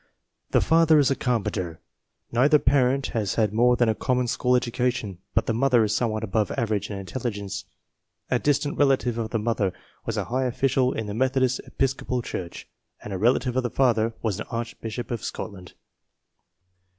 The father is a carpenter. Neither parent has had more than a common school education, but the mother is somewhat above the average in intelligence. A dis tant relative of the mother was a high official in the Methodist Episcopal Church, and a relative of the father was an archbishop of Scotland.